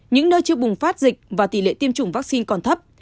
những nơi chưa bùng phát dịch và tỷ lệ tiêm chủng vaccine còn thấp